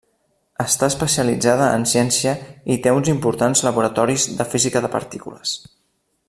Està especialitzada en ciència i té uns importants laboratoris de física de partícules.